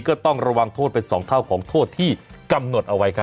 ก็ต้องระวังโทษเป็น๒เท่าของโทษที่กำหนดเอาไว้ครับ